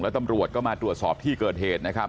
ตำรวจก็มาตรวจสอบที่เกิดเหตุนะครับ